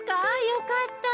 よかった！